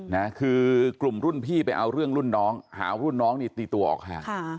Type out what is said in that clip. นะคือกลุ่มรุ่นพี่ไปเอาเรื่องรุ่นน้องหารุ่นน้องนี่ตีตัวออกค่ะ